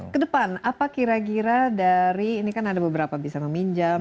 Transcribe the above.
kedepan apa kira kira dari ini kan ada beberapa bisa meminjam